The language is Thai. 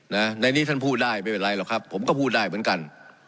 ในนี้ท่านพูดได้ไม่เป็นไรหรอกครับผมก็พูดได้เหมือนกัน